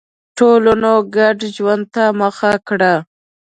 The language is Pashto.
ټولنو ګډ ژوند ته مخه کړه.